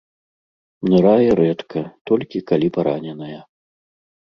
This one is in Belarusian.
Нырае рэдка, толькі калі параненая.